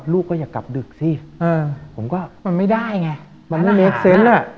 ลูกก็อย่ากลับดึกสิผมก็มันไม่ได้ไงมันไม่เมคเซนต์อ่ะ